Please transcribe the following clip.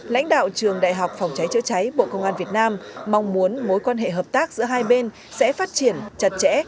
lãnh đạo trường đại học phòng cháy chữa cháy bộ công an việt nam mong muốn mối quan hệ hợp tác giữa hai bên sẽ phát triển chặt chẽ